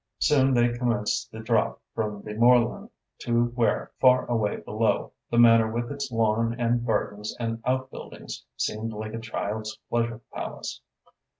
Soon they commenced the drop from the moorland to where, far away below, the Manor with its lawn and gardens and outbuildings seemed like a child's pleasure palace.